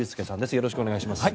よろしくお願いします。